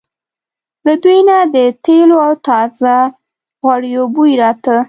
له دوی نه د تېلو او تازه غوړیو بوی راته.